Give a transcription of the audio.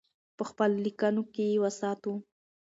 په خپلو لیکنو کې یې وساتو.